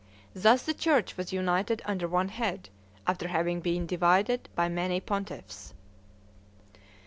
Thus the church was united under one head, after having been divided by many pontiffs.